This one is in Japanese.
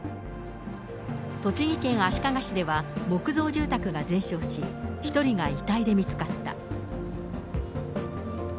栃木県足利市では木造住宅が全焼し、１人が遺体で見つかった。